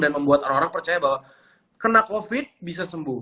dan membuat orang orang percaya bahwa kena covid bisa sembuh